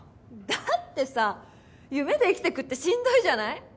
だってさ夢で生きてくってしんどいじゃない？